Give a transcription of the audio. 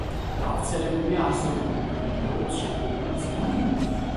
გავრცელებულია არსებულ ბუნებრივ პირობებს შეგუებული მცენარეები.